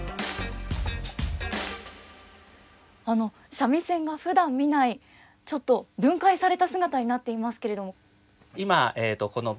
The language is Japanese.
三味線がふだん見ないちょっと分解された姿になっていますけれども。